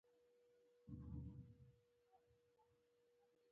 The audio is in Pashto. د شيخ حسن نیکه زیارت په ارغستان کي واقع دی.